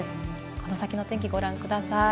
この先の天気をご覧ください。